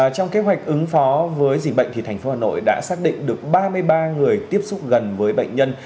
trong kế hoạch ứng phó với dịch bệnh thành phố hà nội đã xác định được ba mươi ba người tiếp xúc gần với bệnh nhân